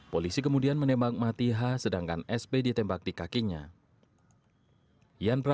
polisi kemudian menembak mati h sedangkan sb ditembak di kakinya